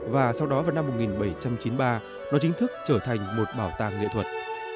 và sau đó vào năm một nghìn bảy trăm chín mươi ba nó chính thức trở thành một bảo tàng nghệ thuật